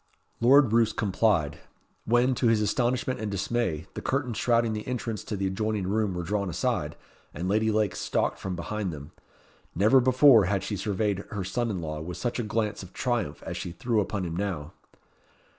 Lord Roos complied; when, to his astonishment and dismay, the curtains shrouding the entrance to the adjoining room were drawn aside, and Lady Lake stalked from behind them. Never before had she surveyed her son in law with such a glance of triumph as she threw upon him now.